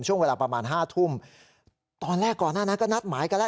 ช่วงเวลาประมาณห้าทุ่มตอนแรกก่อนหน้านั้นก็นัดหมายกันแล้ว